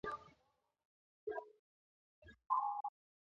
Kitabu kina wenyewe